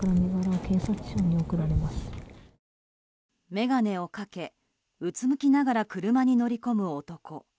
眼鏡をかけ、うつむきながら車に乗り込む男。